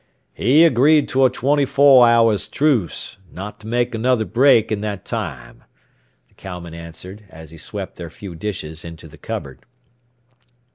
"He agreed to a twenty four hours' truce not to make another break in that time," the cowman answered as he swept their few dishes into the cupboard.